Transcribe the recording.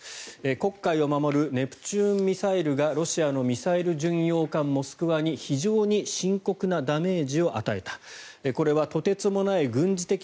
黒海を守るネプチューンミサイルがロシアのミサイル巡洋艦「モスクワ」に非常に深刻なダメージを与えた。